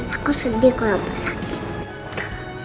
aku sedih kalau apa sakit